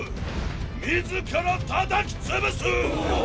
自ら叩きつぶす！